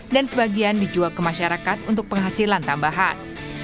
dan sebagian dijual ke masyarakat untuk penghasilan tambahan